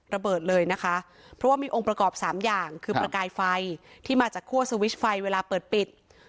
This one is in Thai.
ระเบิดเลยนะคะเพราะว่ามีองค์ประกอบสามอย่างคือประกายไฟที่มาจากคั่วสวิชไฟเวลาเปิดปิด